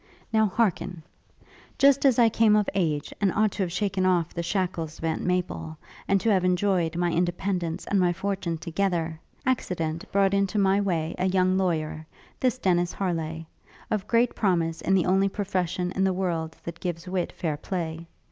'Now hearken! 'Just as I came of age, and ought to have shaken off the shackles of Aunt Maple, and to have enjoyed my independence and my fortune together, accident brought into my way a young lawyer this Dennis Harleigh of great promise in the only profession in the world that gives wit fair play.